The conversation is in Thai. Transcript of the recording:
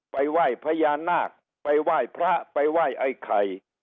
ไปไหว้พญานาคไปไหว้พระไปไหว้ไอ้ไข่